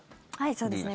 そうですね。